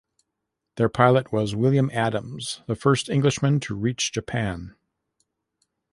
Their pilot was William Adams, the first Englishman to reach Japan.